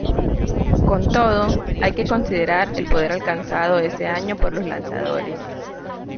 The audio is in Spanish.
Con todo, hay que considerar el poder alcanzado ese año por los lanzadores.